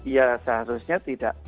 iya seharusnya tidak